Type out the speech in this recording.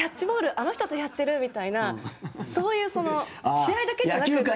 あの人とやってるみたいなそういう、試合だけじゃなくて。